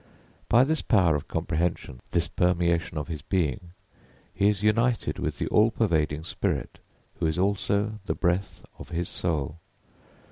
By this power of comprehension, this permeation of his being, he is united with the all pervading Spirit, who is also the breath of his soul.